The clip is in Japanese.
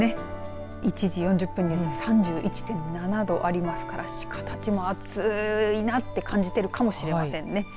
１時４０分現在３１．７度ありますから鹿たちも暑いなって感じてるかもしれませんね。